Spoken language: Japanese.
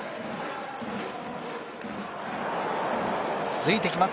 ついてきます